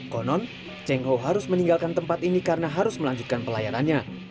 konon cheng ho harus meninggalkan tempat ini karena harus melanjutkan pelayanannya